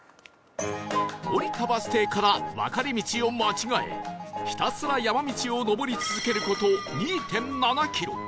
降りたバス停から分かれ道を間違えひたすら山道を上り続ける事 ２．７ キロ